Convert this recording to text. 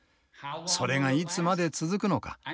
それがいつまで続くのか。